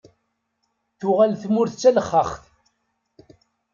Tuɣal tmurt d talexxaxt.